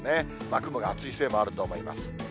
雲が厚いせいもあると思います。